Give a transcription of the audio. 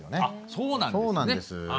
あっそうなんですね。